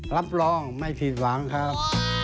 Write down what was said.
รับรองไม่ผิดหวังครับ